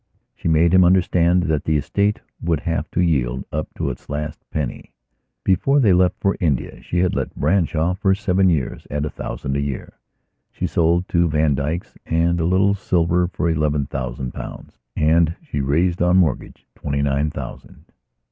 She made him understand that the estate would have to yield up to its last penny. Before they left for India she had let Branshaw for seven years at a thousand a year. She sold two Vandykes and a little silver for eleven thousand pounds and she raised, on mortgage, twenty nine thousand.